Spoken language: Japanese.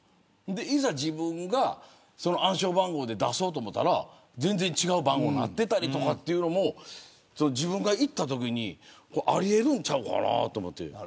いざ自分が暗証番号で出そうと思ったら全然違う番号になっていたりというのもあり得るんちゃうかなと。